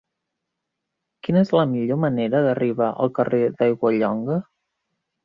Quina és la millor manera d'arribar al carrer d'Aiguallonga?